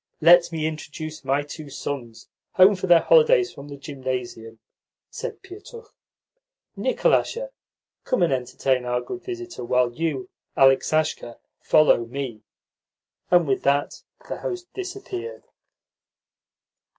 "Let me introduce my two sons, home for their holidays from the Gymnasium ," said Pietukh. "Nikolasha, come and entertain our good visitor, while you, Aleksasha, follow me." And with that the host disappeared.